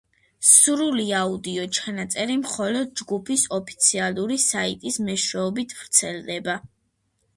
სრული აუდიო ჩანაწერი მხოლოდ ჯგუფის ოფიციალური საიტის მეშვეობით ვრცელდება.